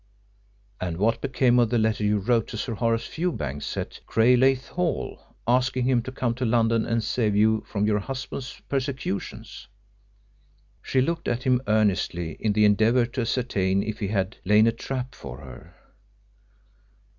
"And what became of the letter you wrote to Sir Horace Fewbanks at Craigleith Hall, asking him to come to London and save you from your husband's persecutions?" She looked at him earnestly in the endeavour to ascertain if he had laid a trap for her.